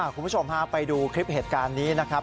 คุณผู้ชมฮะไปดูคลิปเหตุการณ์นี้นะครับ